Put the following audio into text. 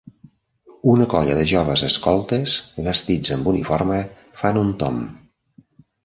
Una colla de joves escoltes vestits amb uniforme fa un tomb.